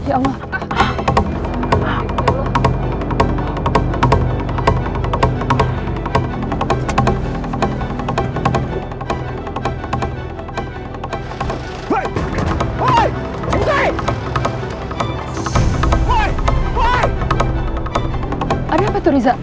ada apa tuh riza